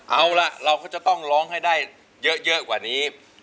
เอาล่ะเราก็จะต้องร้องให้ได้เยอะกว่านี้